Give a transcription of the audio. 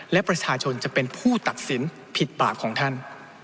และประชาชนจะเป็นผู้ตัดสินผิดปากของท่าน